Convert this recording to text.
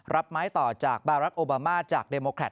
รับไม้ต่อจากบารักษ์โอบามาจากเดโมแครต